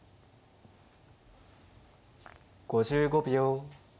５５秒。